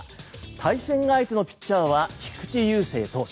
対戦相手のピッチャーは菊池雄星投手。